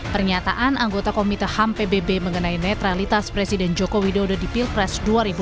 pernyataan anggota komite ham pbb mengenai netralitas presiden joko widodo di pilpres dua ribu dua puluh